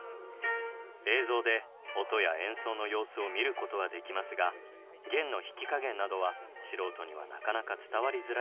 映像で音や演奏の様子を見ることはできますが弦の弾き加減などは素人にはなかなか伝わりづらいものでした。